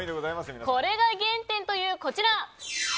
これが原点というこちら。